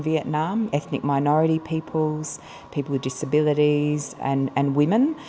vì vậy đồng ý với các cộng đồng